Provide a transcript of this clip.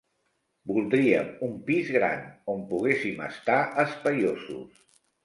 Voldríem un pis gran, on poguéssim estar espaiosos.